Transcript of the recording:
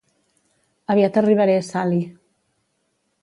Aviat arribaré, Sally.